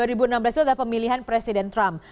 dua ribu enam belas itu adalah pemilihan presiden trump